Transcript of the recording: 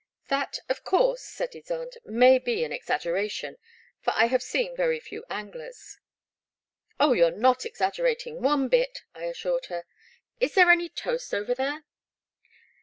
"That, of course," said Ysonde, may be an exaggeration, for I have seen very few anglers." Oh, you're not exaggerating one bit," I assured her. Is there any toast over there